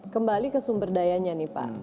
kembali ke sumber dayanya nih pak